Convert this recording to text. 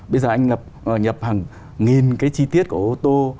bây giờ anh lập nhập hàng nghìn cái chi tiết của ô tô